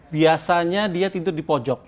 biasanya dia tidur di pojok